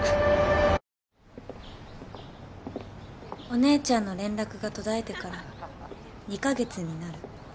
お姉ちゃんの連絡が途絶えてから２ヶ月になる。